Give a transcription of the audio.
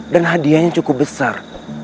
dan hadiahnya cukup besar